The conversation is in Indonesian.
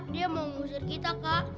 dia mau ngusur kita kak